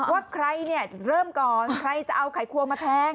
ว่าใครเนี่ยเริ่มก่อนใครจะเอาไขควงมาแพง